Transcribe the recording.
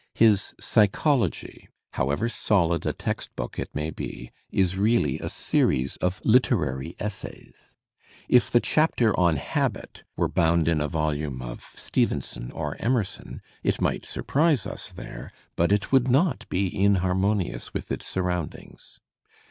His "Psychology," however solid a text book it may be, is really a series of literary essays. If the chapter on Habit were bound in a volume of Stevenson or Emerson, it might surprise us there, but it would not be inharmonious with its surroundings.